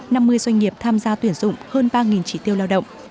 năm mươi doanh nghiệp tham gia tuyển dụng hơn ba trí tiêu lao động